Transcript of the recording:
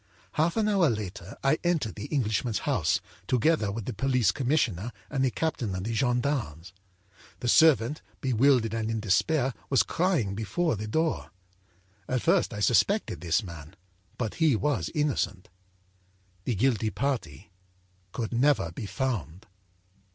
âHalf an hour later I entered the Englishman's house, together with the police commissioner and the captain of the gendarmes. The servant, bewildered and in despair, was crying before the door. At first I suspected this man, but he was innocent. âThe guilty party could never be found.